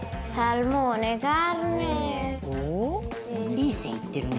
いい線いってるね。